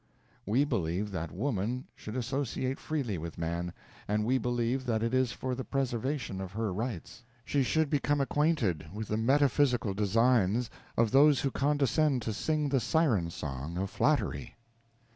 We believe that Woman should associate freely with man, and we believe that it is for the preservation of her rights. She should become acquainted with the metaphysical designs of those who condescended to sing the siren song of flattery.